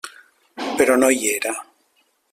Però no hi era.